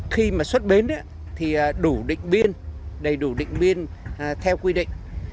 khi mà xuất bến thì đủ định biên đầy đủ định biên theo quy định